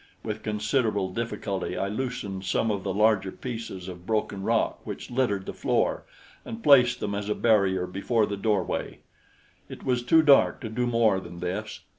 With considerable difficulty I loosened some of the larger pieces of broken rock which littered the floor and placed them as a barrier before the doorway. It was too dark to do more than this.